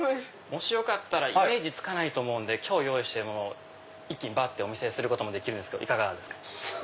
もしよかったらイメージつかないと思うんで一気にお見せすることもできるんですけどいかがですか？